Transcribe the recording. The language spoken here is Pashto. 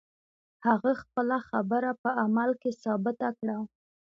هغه خپله خبره په عمل کې ثابته کړه.